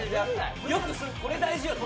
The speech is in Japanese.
よく「これ大事よ」って。